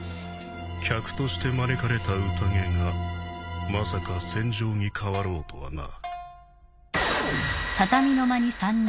客として招かれた宴がまさか戦場に変わろうとはな。